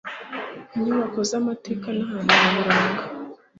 inyubako z'amateka n ahantu nyaburanga